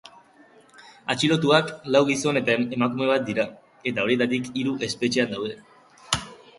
Atxilotuak lau gizon eta emakume bat dira, eta horietatik hiru espetxean daude.